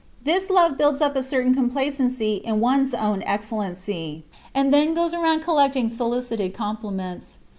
This love builds up a certain complacency in one's own excellency, and then goes around collecting solicited compliments.